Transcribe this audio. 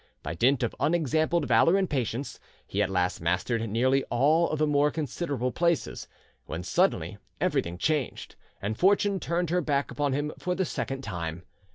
By dint of unexampled valour and patience, he at last mastered nearly all the more considerable places, when suddenly everything changed, and fortune turned her back upon him for the second time.